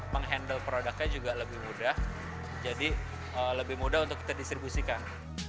menghandle produknya juga lebih mudah jadi lebih mudah untuk kita distribusikan